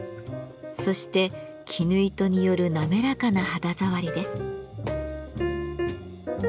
そして絹糸による滑らかな肌触りです。